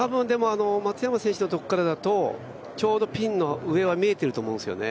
松山選手のところからだとちょうどピンの上は見えていると思うんですよね